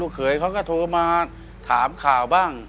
เขยเขาก็โทรมาถามข่าวบ้าง